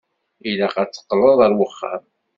Ilaq ad teqqleḍ ar wexxam.